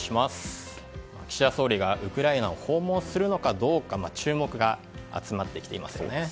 岸田総理がウクライナを訪問するのかどうか注目が集まってきていますよね。